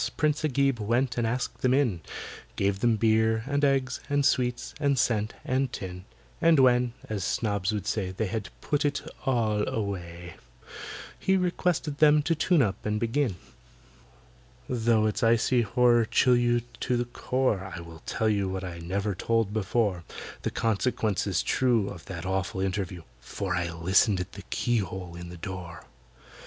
PRINCE AGIB went and asked them in; Gave them beer, and eggs, and sweets, and scent, and tin. And when (as snobs would say) They had "put it all away," He requested them to tune up and begin. Though its icy horror chill you to the core, I will tell you what I never told before,— The consequences true Of that awful interview, For I listened at the keyhole in the door!